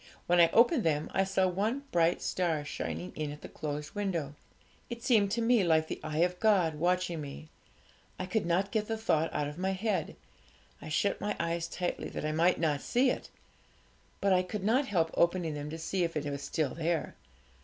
When I opened them I saw one bright star shining in at the closed window. It seemed to me like the eye of God watching me; I could not get the thought out of my mind. I shut my eyes tightly, that I might not see it; but I could not help opening them to see if it was still there.